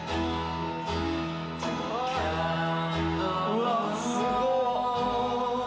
うわ、すごっ！